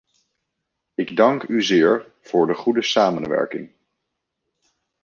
Ik dank u zeer voor de goede samenwerking!